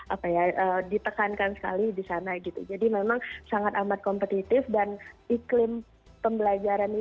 apa ya ditekankan sekali di sana gitu jadi memang sangat amat kompetitif dan iklim pembelajaran di